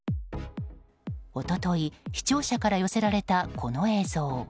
一昨日、視聴者から寄せられたこの映像。